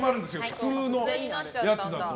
普通のやつだと。